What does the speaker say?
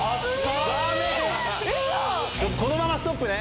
このままストップね！